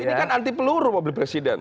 ini kan anti peluru mobil presiden